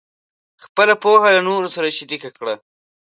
خپله پوهه نورو سره شریکه کړئ.